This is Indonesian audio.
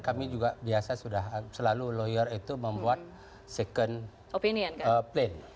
kami juga biasa sudah selalu lawyer itu membuat second plan